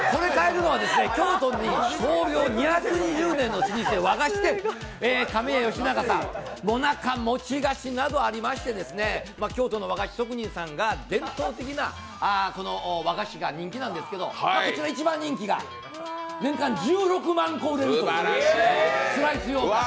京都で創業２２０年の和菓子店、亀屋良長さん、もなか、餅菓子などがありまして京都の和菓子職人さんが伝統的なこの和菓子が人気なんですけど、こちら一番人気が年間１６万個売れるというスライスようかん。